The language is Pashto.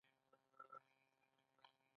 ولې نباتات شنه ښکاري خو حیوانات نه